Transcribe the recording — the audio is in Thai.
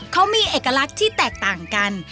เขามีเอกลักษณ์ที่แตกต่างกัน